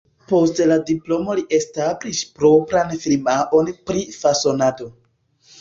Post la diplomo li establis propran firmaon pri fasonado.